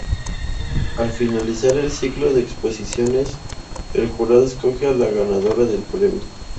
El finalizar el ciclo de exposiciones el jurado escoge a la ganadora del Premio.